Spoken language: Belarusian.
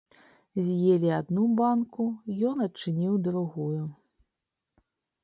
З'елі адну банку, ён адчыніў другую.